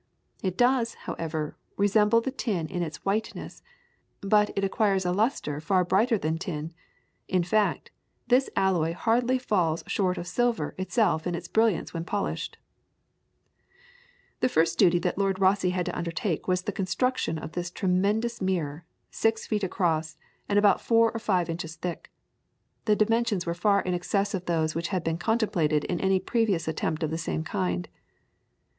It does, however, resemble the tin in its whiteness, but it acquires a lustre far brighter than tin; in fact, this alloy hardly falls short of silver itself in its brilliance when polished. [PLATE: LORD ROSSE'S TELESCOPE. From a photograph by W. Lawrence, Upper Sackville Street, Dublin.] The first duty that Lord Rosse had to undertake was the construction of this tremendous mirror, six feet across, and about four or five inches thick. The dimensions were far in excess of those which had been contemplated in any previous attempt of the same kind.